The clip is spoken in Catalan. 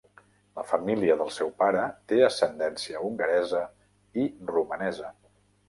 La família del seu pare té ascendència hongaresa i romanesa.